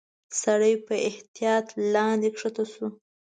سړی په احتياط لاندي کښته شو.